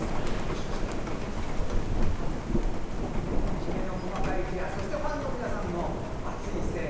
きめの細かいケアそしてファンの皆さんの熱い声援